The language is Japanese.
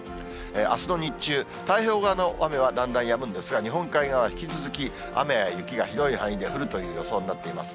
あすの日中、太平洋側の雨はだんだんやむんですが、日本海側、引き続き雨や雪が広い範囲で降るという予想になっています。